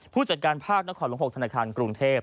ผู้จัดการภาคและขอลง๖ธนาคารกรุงเทพฯ